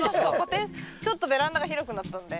ちょっとベランダが広くなったんで。